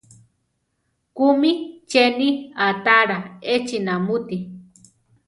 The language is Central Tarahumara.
¿Kúmi cheni aʼtalá échi namúti?